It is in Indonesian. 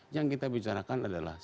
yang kita bicarakan adalah